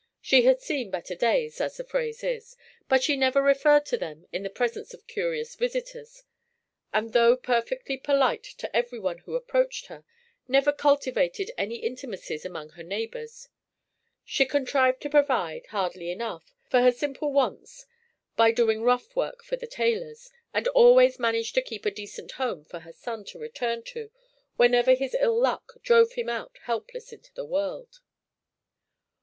She had seen better days, as the phrase is, but she never referred to them in the presence of curious visitors; and, though perfectly polite to every one who approached her, never cultivated any intimacies among her neighbors. She contrived to provide, hardly enough, for her simple wants by doing rough work for the tailors, and always managed to keep a decent home for her son to return to whenever his ill luck drove him out helpless into the world.